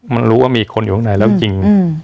มันรู้ว่ามีคนอยู่ข้างในแล้วจริง